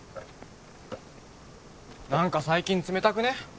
何か最近冷たくね？